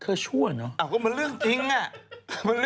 เธอชั่วเนอะอ่ะก็เป็นเรื่องจริงอะ